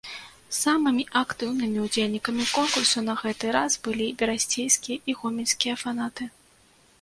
Самымі актыўнымі ўдзельнікамі конкурсу на гэты раз былі берасцейскія і гомельскія фанаты.